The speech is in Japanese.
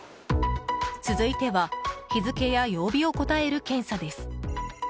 続いては日付や曜日を答える検査です。